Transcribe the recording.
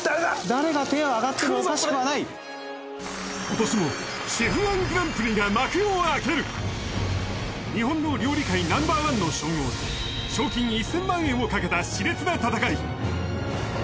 誰が手上がってもおかしくはない今年もＣＨＥＦ−１グランプリが幕日本の料理界ナンバーワンの称号と賞金１０００万円をかけたしれつな戦い